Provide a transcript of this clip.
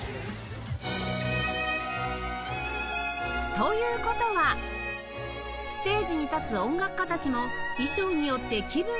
という事はステージに立つ音楽家たちも衣装によって気分が変わり